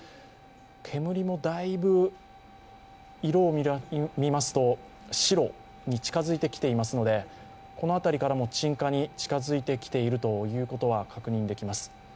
煙もだいぶ色を見ますと白に近づいてきていますのでこの辺りからも鎮火に近づいてきていることは確認できます。